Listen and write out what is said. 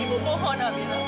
ibu mohon amira